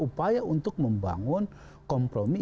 upaya untuk membangun kompromi